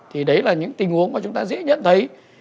thì đấy là những tình huống mà chúng ta dễ nhận thấy